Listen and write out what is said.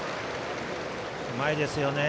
うまいですよね。